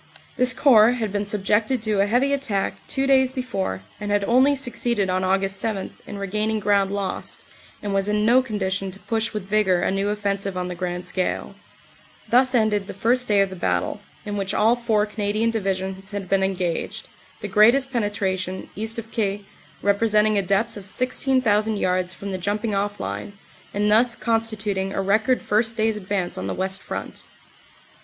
This Corps had been subjected to a heavy attack two days before and had only succeeded on Aug. 7 in regaining ground lost and was in no condition to push with vigor a new offensive on the grand scale. Thus ended the first day of the battle, in which all four Canadian Divisions had been engaged, the greatest penetra tion, east of Caix, representing a depth of 16,000 yards from the jumping off line and thus constituting a record first day ?. OPERATIONS: AUG. 8. CONTINUED 51 advance on the West Front.